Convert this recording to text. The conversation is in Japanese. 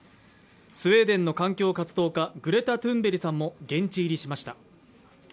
スウェーデンの環境活動家、グレタ・トゥンベリさんらも現地入りしました。